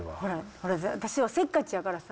ほら私はせっかちやからさ。